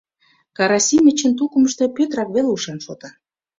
Карасимычын тукымышто Пӧтырак веле ушан-шотан.